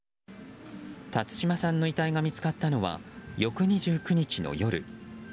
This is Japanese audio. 辰島さんの遺体が見つかったのは翌２９日の夜。